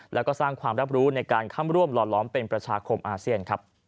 แล้วก็สร้างความรับรู้ในการเข้าร่วมหล่อล้อมเป็นประชาคมอาเซียนครับ